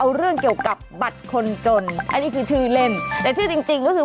เอาเรื่องเกี่ยวกับบัตรคนจนอันนี้คือชื่อเล่นแต่ชื่อจริงจริงก็คือ